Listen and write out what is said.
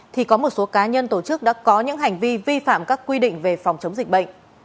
thì có một số cá nhân tổ chức đã có những hành vi vi phạm các quy định về phòng chống dịch bệnh